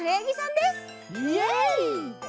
イエイ！